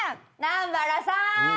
南原さん。